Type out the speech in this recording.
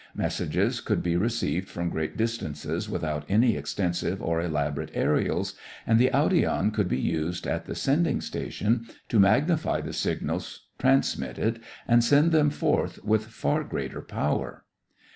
Messages could be received from great distances without any extensive or elaborate aërials, and the audion could be used at the sending station to magnify the signals transmitted and send them forth with far greater power.